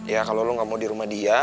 ya kalo lu gak mau di rumah dia